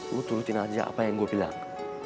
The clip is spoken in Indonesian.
lu turutin aja apa yang gua bilang